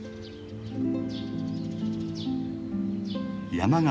山形